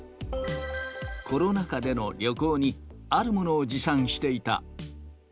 コロナ禍での旅行に、あるものを持参していた。